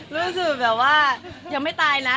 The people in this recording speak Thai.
รู้สึกว่ายังไม่ตายนะ